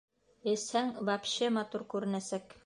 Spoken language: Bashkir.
Эсһәң, вообще матур күренәсәк.